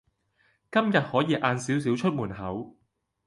今日可以晏少少出門口